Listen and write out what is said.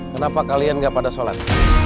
kenapa kalian gak pada sholat